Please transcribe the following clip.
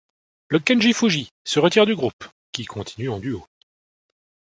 Le Kenji Fuji se retire du groupe, qui continue en duo.